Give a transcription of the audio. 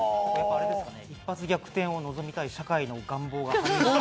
一発逆転を望みたい社会の願望が。